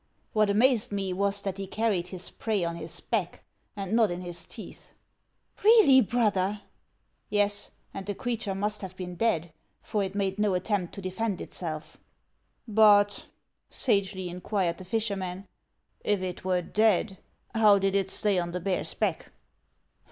What amazed me, was that he carried his prey on his back, and not in his teeth." " Really, brother ?"" Yes ; aud the creature must have been dead, for it made no attempt to defend itself." 312 HANS OF ICELAND. "But," sagely inquired the fisherman, "if it were dead, how did it stay on the bear's back